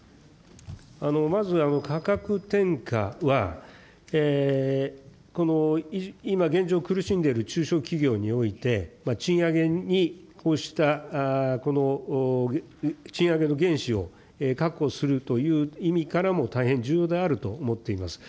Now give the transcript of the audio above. まず、価格転嫁は、今、現状、苦しんでいる中小企業において、賃上げした賃上げの原資を確保するという意味からも、大変重要であると思っています。